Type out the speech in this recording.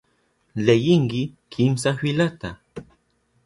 Leyinki kimsa filata.